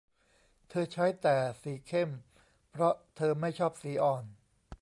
เธอใช้แต่สีเข้มเพราะเธอไม่ชอบสีอ่อน